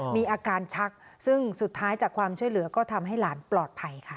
มีอาการชักซึ่งสุดท้ายจากความช่วยเหลือก็ทำให้หลานปลอดภัยค่ะ